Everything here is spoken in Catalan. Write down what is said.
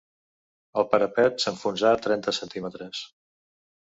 El parapet s'enfonsà trenta centímetres